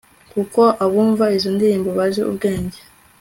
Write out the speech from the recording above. kuko abumva izo ndirimbo bazi ubwenge